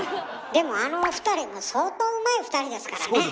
でもあのお二人も相当うまい二人ですからね。